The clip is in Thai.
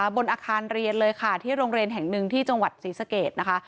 บนอาคารเรียนเลยค่ะที่โรงเรียนแห่งหนึ่งที่จังหวัดศรีสะเกดนะคะ